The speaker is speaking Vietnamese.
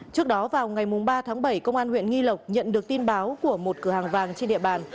trước đó vào ngày ba tháng bảy công an huyện nghi lộc nhận được tin báo của một cửa hàng vàng trên địa bàn